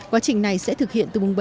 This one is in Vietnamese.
quá trình này sẽ thực hiện từ mùng bảy